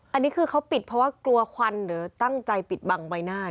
อันนี้คือเขาปิดเพราะว่ากลัวควันหรือตั้งใจปิดบังใบหน้า